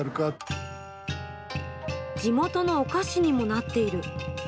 地元のお菓子にもなっている。